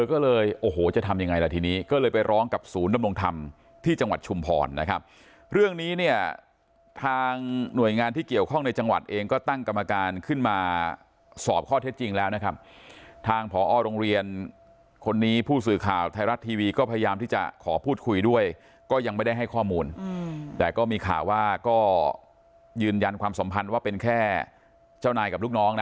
โอ๊ยจะทำยังไงล่ะทีนี้ก็เลยไปร้องกับศูนย์ดำรงธรรมที่จังหวัดชุมภรนะครับเรื่องนี้เนี่ยทางหน่วยงานที่เกี่ยวข้องในจังหวัดเองก็ตั้งกรรมการขึ้นมาสอบข้อเท็จจริงแล้วนะครับทางผอโรงเรียนคนนี้ผู้สื่อข่าวไทยรัฐทีวีก็พยายามที่จะขอพูดคุยด้วยก็ยังไม่ได้ให้ข้อมูลอืมแต่ก